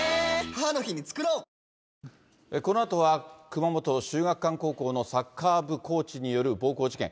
熊本・秀岳館高校のサッカー部コーチによる暴行事件。